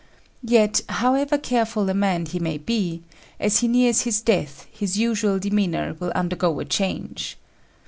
Yet however careful a man he may be, as he nears his death his usual demeanour will undergo a change.